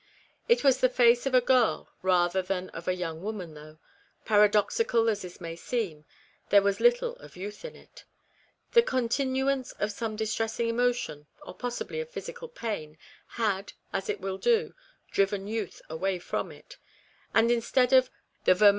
It was the face of a girl rather than of a young woman, though, paradoxical as this may seem, there was little of youth in it. The continu ance of some distressing emotion, or possibly of physical pain, had, as it will do, driven youth away from it, and instead of " the ver REBECCAS REMORSE.